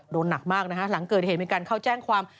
หนักมากนะฮะหลังเกิดเหตุมีการเข้าแจ้งความ